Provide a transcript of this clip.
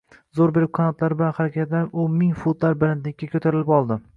Zo‘r berib qanotlari bilan harakatlanib, u ming futlar balandlikka ko‘tarilib oldi